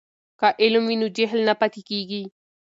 که علم وي نو جهل نه پاتې کیږي.